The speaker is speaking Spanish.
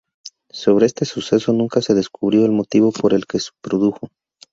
Sobre este suceso nunca se descubrió el motivo por el que se produjo.